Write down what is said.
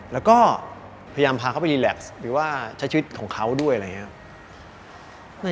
แล้วก็พยายามพาเขาไปรีแล็กซ์หรือว่าใช้ชีวิตของเขาด้วยอะไรอย่างนี้ครับ